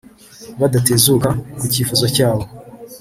Badatezuka ku cyifuzo cyabo